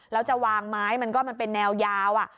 แล้วจะวางไม้มันก็มันเป็นแนวยาว